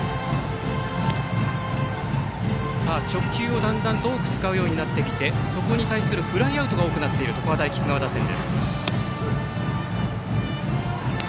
直球をだんだんと多く使うようになってきてそこに対するフライアウトが多くなっている常葉大菊川打線。